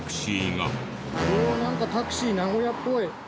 おおなんかタクシー名古屋っぽい。